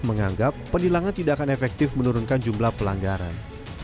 menganggap penilangan tidak akan efektif menurunkan jumlah pelanggaran